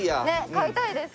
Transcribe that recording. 買いたいです。